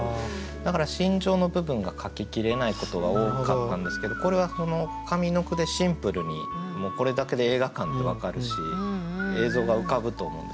だから心情の部分が書ききれないことが多かったんですけどこれは上の句でシンプルにこれだけで映画館って分かるし映像が浮かぶと思うんです。